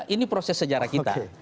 ini proses sejarah kita